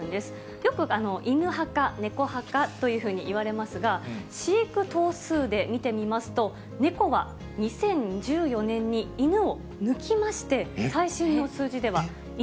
よく犬派か猫派かというふうにいわれますが、飼育頭数で見てみますと、猫は２０１４年に犬を抜きまして、最新の数字では、犬